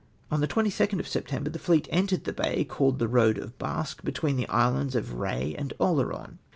'''' "On the 22nd of September the fleet entered the bay called the Road of Easfpie, between the islands of Ehe and Oleron.